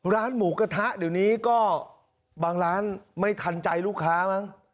ร้านหมูกระทะเดี๋ยวนี้ก็บางร้านไม่ทันใจลูกค้ามั้ง